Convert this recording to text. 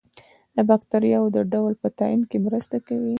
د باکتریاوو د ډول په تعین کې مرسته کوي.